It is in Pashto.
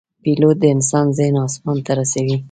پیلوټ د انسان ذهن آسمان ته رسوي.